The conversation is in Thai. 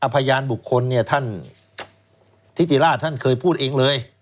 พยานบุคคลท่านทิติราชเคยพูดเองเลย